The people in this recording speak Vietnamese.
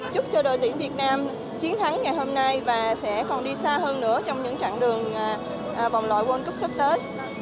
chúc cho đội tuyển việt nam chiến thắng ngày hôm nay và sẽ còn đi xa hơn nữa trong những trạng đường vòng loại world cup sắp tới